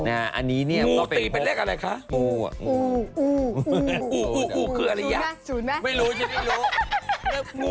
อันนี้ก็เปลี่ยน